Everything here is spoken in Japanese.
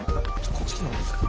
こっち来てもらえますか？